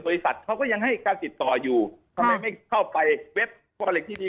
บริษัทเขาก็ยังให้การติดต่ออยู่ทำไมไม่เข้าไปเว็บโพเล็กที่ดี